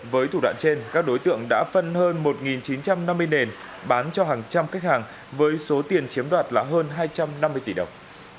với thủ đoạn trên các đối tượng đã phân hơn một chín trăm năm mươi nền bán cho hàng trăm khách hàng với số tiền chiếm đoạt là hơn hai trăm năm mươi tỷ đồng